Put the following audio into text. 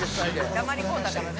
黙り込んだからね。